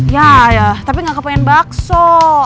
ya ya tapi gak kepengen bakso